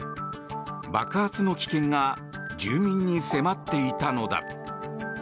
爆発の危険が住民に迫っていたのだ。